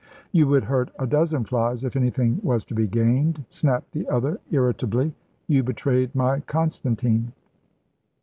"You would hurt a dozen flies if anything was to be gained," snapped the other, irritably. "You betrayed my Constantine."